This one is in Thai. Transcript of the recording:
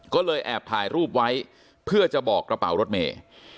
ก็เลยแอบถ่ายรูปไว้เพื่อจะบอกกระเป๋ารถเมย์